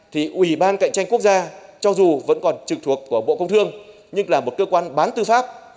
thì ủy ban cạnh tranh quốc gia cho dù vẫn còn trực thuộc của bộ công thương nhưng là một cơ quan bán tư pháp